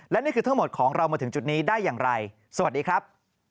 และนี่คือทั้งหมดของเรามาถึงจุดนี้ได้อย่างไรสวัสดีครับ